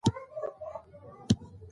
مهارتونه په تمرین او زیار ترلاسه کیږي.